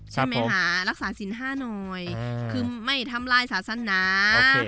ใช่ไหมคะรักษาสินห้าหน่อยคือไม่ทำลายศาสนา